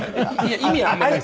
意味あんまりないです。